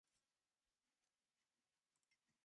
მოგვიანებით ამ ადგილით მეცნიერები დაინტერესდნენ.